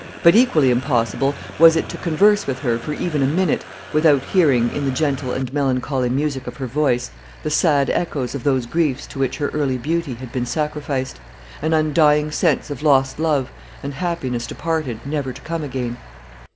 But equally impossible was it to converse with her, for even a minute, without hearing, in the gentle and melancholy music of her voice, the sad echoes of those griefs to which her early beauty had been sacrificed, an undying sense of lost love, and happiness departed, never to come again.